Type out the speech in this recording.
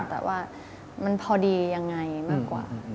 แต่ว่ามันพอดียังไงมากกว่า